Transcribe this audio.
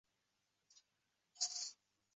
Usti yaltiroq, ichi qaltiroq.